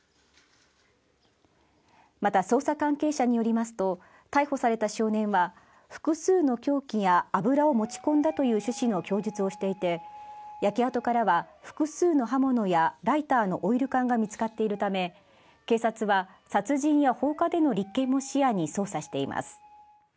また、捜査関係者によりますと、逮捕された少年は複数の凶器や油を持ち込んだという趣旨の供述をしていて焼け跡からは複数の刃物やライターのオイル缶が見つかっているため警察は殺人や放火での立件も視野に捜査しています。